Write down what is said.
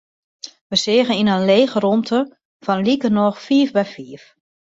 Wy seagen yn in lege rûmte fan likernôch fiif by fiif.